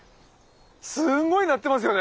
すごいなってますよね！